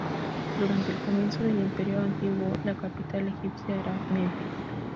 Durante el comienzo del Imperio Antiguo, la capital egipcia era Menfis.